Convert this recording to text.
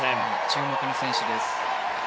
注目の選手です。